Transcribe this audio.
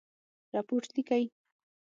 رپوټ لیکئ؟